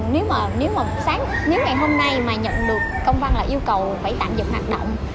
nếu mà nếu mà sáng nếu ngày hôm nay mà nhận được công văn là yêu cầu phải tạm dừng hoạt động